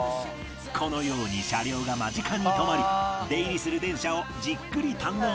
このように車両が間近に止まり出入りする電車をじっくり堪能できる